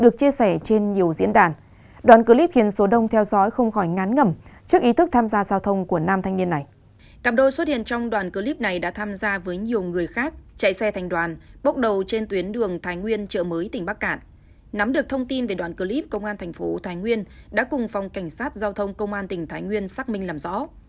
công an thành phố thái nguyên đã cùng phòng cảnh sát giao thông công an tỉnh thái nguyên xác minh làm rõ